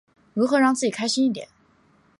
如何让自己开心一点？